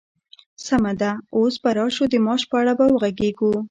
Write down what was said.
سمه ده، اوس به راشو د معاش په اړه به وغږيږو!